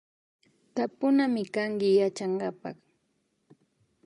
Tapunamikanki Yachankapak